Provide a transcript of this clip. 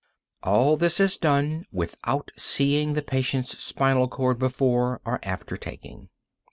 All this is done without seeing the patient's spinal cord before or after taking.